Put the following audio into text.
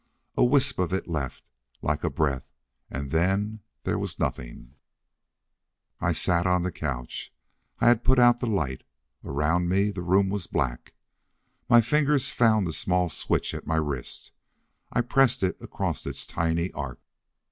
A wisp of it left, like a breath, and then there was nothing. I sat on the couch. I had put out the light. Around me the room was black. My fingers found the small switch at my wrist. I pressed it across its tiny arc.